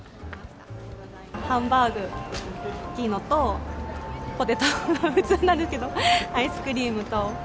ハンバーグ大きいのと、ポテトの、普通なんですけど、アイスクリームと。